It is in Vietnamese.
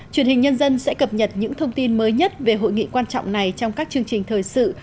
truyền hình nhân dân sẽ cập nhật những thông tin mới nhất về hội nghị quan trọng này trong các chương trình thời sự